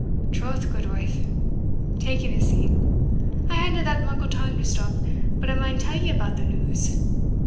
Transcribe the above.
"Troth, gudewife" (taking a seat), "I haena that muckle time to stop but I maun tell ye about the news.